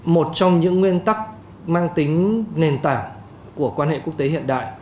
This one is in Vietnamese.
một trong những nguyên tắc mang tính nền tảng của quan hệ quốc tế hiện đại